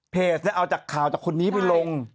เพจน่ะเอาจากข่าวจากคนนี้ไปลง